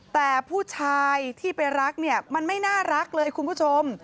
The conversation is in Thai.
แต่ผู้ชายที่ไปรักเนี่ยมันไม่น่ารักเลยคุณผู้ชม